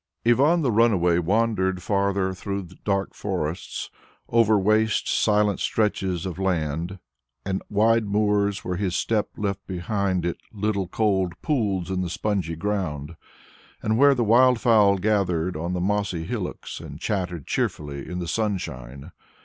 IV Ivan the Runaway wandered farther through dark forests over waste silent stretches of land and wide moors where his step left behind it little cold pools in the spongy ground, and where the wildfowl gathered on the mossy hillocks and chattered cheerfully in the sunshine.